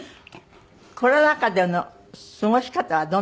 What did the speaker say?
コロナ禍での過ごし方はどんなです？